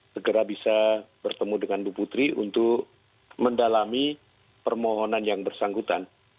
segera bisa bertemu dengan bu putri untuk mendalami permohonan yang bersangkutan